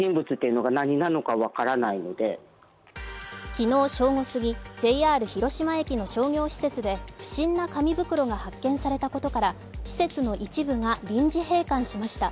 昨日正午過ぎ、ＪＲ広島駅の商業施設で不審な紙袋が発見されたことから施設の一部が臨時閉館しました。